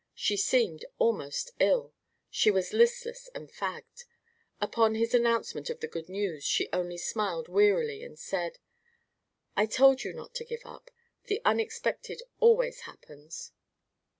She seemed almost ill. She was listless and fagged. Upon his announcement of the good news, she only smiled wearily, and said: "I told you not to give up. The unexpected always happens."